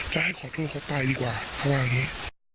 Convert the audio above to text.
จะให้ขอโทษเขาตายดีกว่าเพราะว่าอย่างนี้